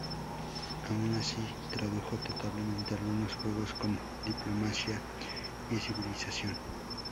Aun así, tradujo totalmente algunos juegos como "Diplomacia" y "Civilización".